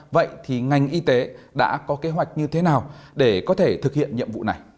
vậy thì ngành y tế đã có kế hoạch như thế nào để có thể thực hiện nhiệm vụ này